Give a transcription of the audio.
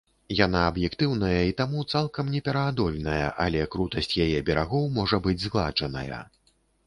Яна аб'ектыўная і таму цалкам непераадольная, але крутасць яе берагоў можа быць згладжаная.